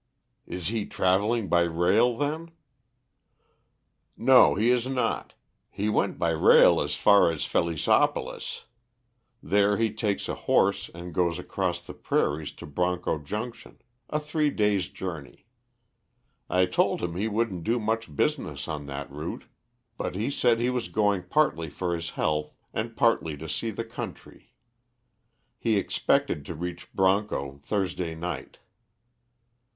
"He is travelling by rail then?" "No, he is not. He went by rail as far as Felixopolis. There he takes a horse, and goes across the prairies to Broncho Junction; a three days' journey. I told him he wouldn't do much business on that route, but he said he was going partly for his health, and partly to see the country. He expected to reach Broncho Thursday night."